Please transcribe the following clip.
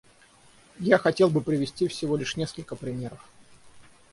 Я хотел бы привести всего лишь несколько примеров.